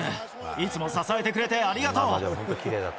いつも支えてくれて、ありがとう。